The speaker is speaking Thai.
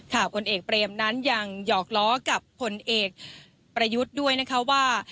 ผลเอกเปรมนั้นยังหยอกล้อกับผลเอกประยุทธ์ด้วยนะคะว่า